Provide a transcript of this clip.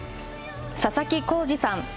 佐々木耕司さん